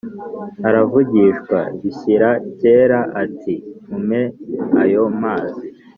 Aravugishwa bishyira kera ati mume ayo mazi